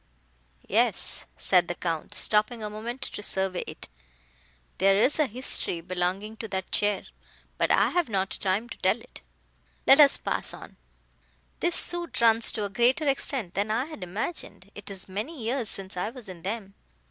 "Yes," said the Count, stopping a moment to survey it, "there is a history belonging to that chair, but I have not time to tell it.—Let us pass on. This suite runs to a greater extent than I had imagined; it is many years since I was in them.